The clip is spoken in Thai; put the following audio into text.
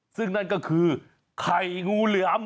ซึ่งนั่นก็คือไข่งูเหลือม